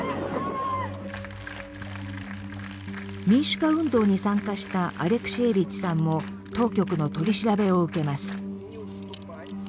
民主化運動に参加したアレクシエービッチさんも当局の取り調べを受けます。